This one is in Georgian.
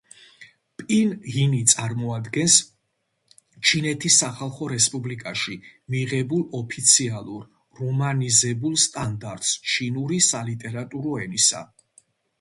პინ-ინი წარმოადგენს ჩინეთის სახალხო რესპუბლიკაში მიღებულ ოფიციალურ რომანიზებულ სტანდარტს ჩინური სალიტერატურო ენისა.